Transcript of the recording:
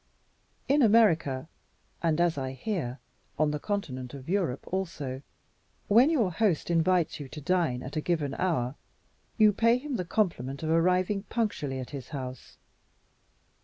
In America, and (as I hear) on the continent of Europe also, when your host invites you to dine at a given hour, you pay him the compliment of arriving punctually at his house.